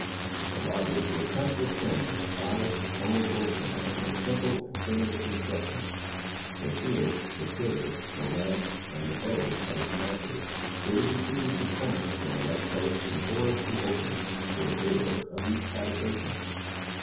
The lodges were tents of skin, high, conical, and of the most simple and primitive construction. The shield, the quiver, the lance and the bow of its master, were to be seen suspended from a light post before the opening, or door, of each habitation.